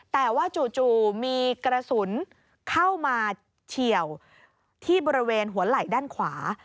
แต่ว่าจู่มีกระสุนเข้ามาเฉียวที่บริเวณหัวไหล่ด้านขวา